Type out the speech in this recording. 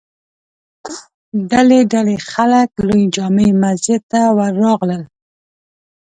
ډلې ډلې خلک لوی جامع مسجد ته ور راغلل.